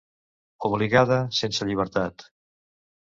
Obligada, sense llibertat.